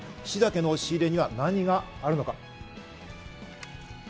菱田家の押し入れには何があるのか。